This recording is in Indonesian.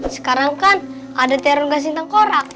sekarang kan ada tiarung gasintang korak